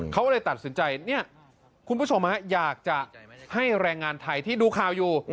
เขาเลยตัดสินใจเนี่ยคุณผู้ชมอยากจะให้แรงงานไทยที่ดูข่าวอยู่